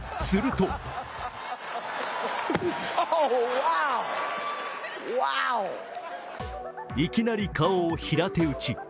するといきなり顔を平手打ち。